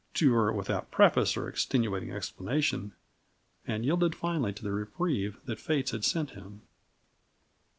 to her without preface or extenuating explanation and yielded finally to the reprieve the fates sent him.